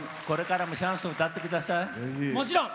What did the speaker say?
これからもシャンソン歌ってください。